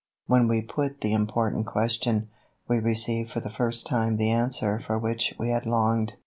When we put the important question, we received for the first time the answer for which we had longed.